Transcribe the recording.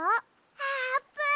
あーぷん！